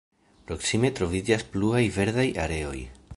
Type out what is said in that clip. Proksime troviĝas pluaj verdaj areoj.